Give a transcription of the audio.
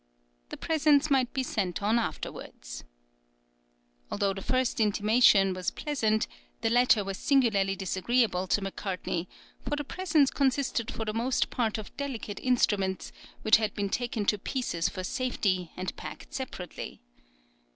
The presents might be sent on afterwards. Although the first intimation was pleasant, the latter was singularly disagreeable to Macartney, for the presents consisted for the most part of delicate instruments, which had been taken to pieces for safety and packed separately.